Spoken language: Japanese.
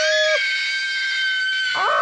あ！